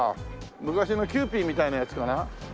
昔のキューピーみたいなやつかな？